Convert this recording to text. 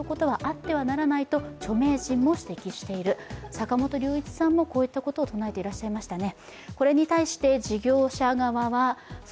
坂本龍一さんもこうしたことをとなえていらっしゃいましたね。